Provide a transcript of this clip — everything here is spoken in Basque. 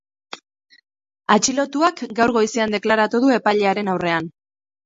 Atxilotuak gaur goizean deklaratu du epailearen aurrean.